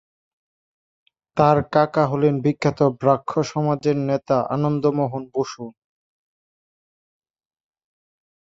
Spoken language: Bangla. তার কাকা হলেন বিখ্যাত ব্রাহ্ম সমাজ নেতা আনন্দমোহন বসু।